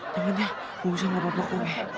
jangan ya nggak usah nggak apa apa